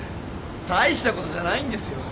大したことじゃないんですよ。